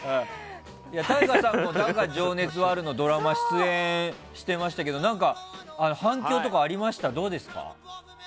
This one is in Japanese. ＴＡＩＧＡさんも「だが、情熱はある」のドラマ出演してましたけど反響とかありました？